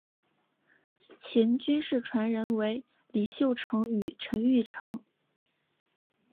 秦军事传人为李秀成与陈玉成。